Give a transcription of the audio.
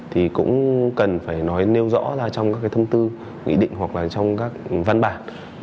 thì cũng cần phải nói nêu rõ ra trong các cái thông tư nghị định hoặc là trong các văn bản